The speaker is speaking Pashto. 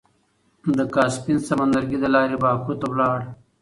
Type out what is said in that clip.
د کاسپين سمندرګي له لارې باکو ته لاړ.